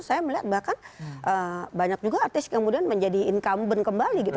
saya melihat bahkan banyak juga artis kemudian menjadi incumbent kembali gitu